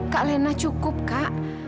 kak lena cukup kak